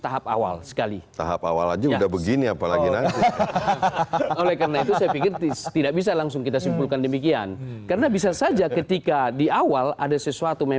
kembali tetaplah bersama kami